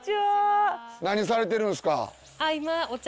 何されてるんすか？